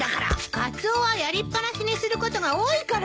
カツオはやりっぱなしにすることが多いからよ！